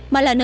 mà là nơi này